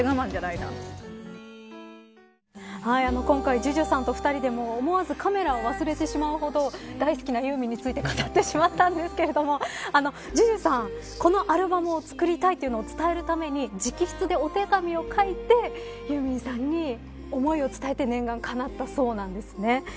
今回ＪＵＪＵさんと２人で思わずカメラを忘れてしまうほど大好きなユーミンについて語ってしまったんですがＪＵＪＵさん、このアルバムを作りたいというのを伝えるために直筆でお手紙を書いてユーミンさんに思いを伝えて念願がかなったそうなんです。